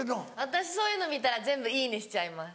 私そういうの見たら全部「いいね！」しちゃいます。